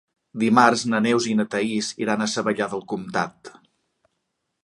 Dimarts na Neus i na Thaís iran a Savallà del Comtat.